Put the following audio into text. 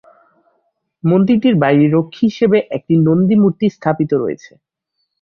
মন্দিরটির বাইরে রক্ষী হিসেবে একটি নন্দী মূর্তি স্থাপিত রয়েছে।